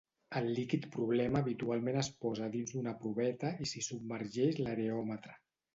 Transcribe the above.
El líquid problema habitualment es posa dins d'una proveta i s'hi submergeix l'areòmetre.